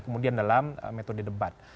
kemudian dalam metode debat